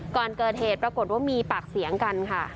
ก่อนเกิดเหตุปรากฏว่ามีปากเสียงกันค่ะ